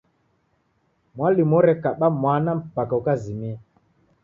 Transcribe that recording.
Mwalimu orekaba mwana mpaka ukazimia.